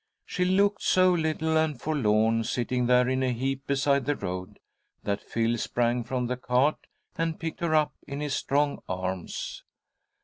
She looked so little and forlorn, sitting there in a heap beside the road, that Phil sprang from the cart, and picked her up in his strong arms.